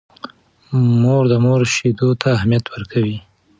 مور د مور شیدو ته اهمیت ورکوي.